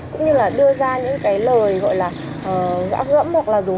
cũng như là đưa ra những cái lời gọi là gã gẫm hoặc là rủ mình đi chơi kiểu như vậy